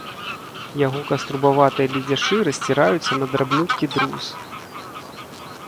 Яго каструбаватыя ледзяшы расціраюцца на драбнюткі друз.